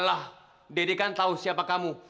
alah deddy kan tau siapa kamu